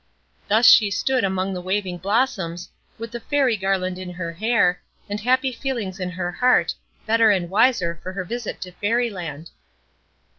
Thus she stood among the waving blossoms, with the Fairy garland in her hair, and happy feelings in her heart, better and wiser for her visit to Fairy Land.